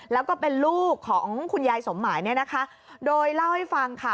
แล้วก็เป็นลูกของคุณยายสมหมายโดยเล่าให้ฟังค่ะ